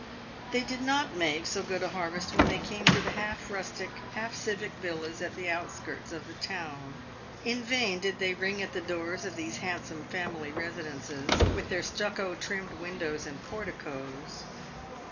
They did not make so good a harvest when they came to the half rustic, half civic villas at the outskirts of the town. In vain did they ring at the doors of these handsome family residences, with their stucco trimmed windows and porticos.